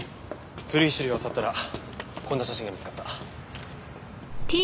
古い資料をあさったらこんな写真が見つかった。